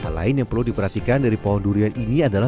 hal lain yang perlu diperhatikan dari pohon durian ini adalah